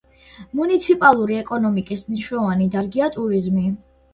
მუნიციპალური ეკონომიკის მნიშვნელოვანი დარგია ტურიზმი.